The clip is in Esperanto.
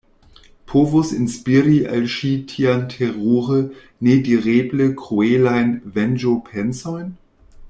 povus inspiri al ŝi tiajn terure, nedireble kruelajn venĝopensojn?